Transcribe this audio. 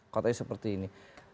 konteksnya seperti ini